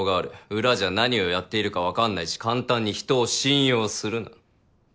裏じゃ何をやっているか分かんないし簡単に人を信用するな。